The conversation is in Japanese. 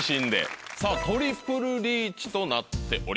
トリプルリーチとなっております。